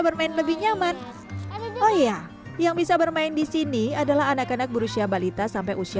bermain lebih nyaman oh iya yang bisa bermain di sini adalah anak anak berusia balita sampai usia